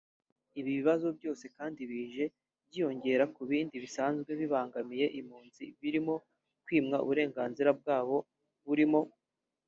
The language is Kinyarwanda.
Ibi bibazo byose kandi bije byiyongera ku bindi bisanzwe bibangamiye impunzi birimo kwimwa uburenganzira bwabo burimo